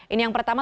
ini yang pertama